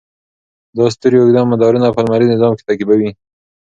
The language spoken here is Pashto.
دا ستوري اوږده مدارونه په لمریز نظام کې تعقیبوي.